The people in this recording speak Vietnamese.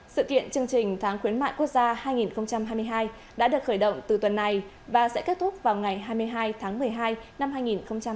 sự kiện chương trình tháng khuyến mại quốc gia hai nghìn hai mươi hai đã được khởi động từ tuần này và sẽ kết thúc vào ngày hai mươi hai tháng một mươi hai năm hai nghìn hai mươi bốn